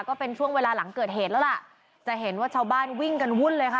ก็เป็นช่วงเวลาหลังเกิดเหตุแล้วล่ะจะเห็นว่าชาวบ้านวิ่งกันวุ่นเลยค่ะ